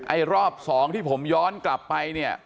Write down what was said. รอบสองที่ผมย้อนกลับไปเนี่ย